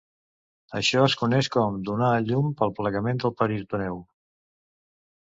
Això és coneix com "donar a llum pel plegament del peritoneu".